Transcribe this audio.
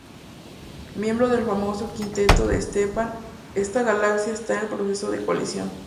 Miembro del famoso Quinteto de Stephan, esta galaxia está en proceso de colisión.